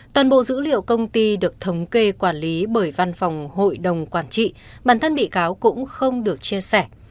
toàn bộ dữ liệu công ty được thống kê quản lý bởi văn phòng hội đồng quản trị bản thân bị cáo cũng không được chia sẻ